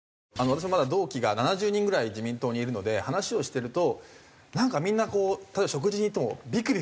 私もまだ同期が７０人ぐらい自民党にいるので話をしてるとなんかみんなこう例えば食事に行ってもビクビクしてるんですよ。